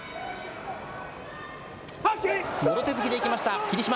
もろ手突きで行きました霧島。